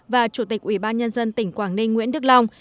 và chủ tịch ủy ban nhân dân tỉnh quảng ninh nguyễn đức long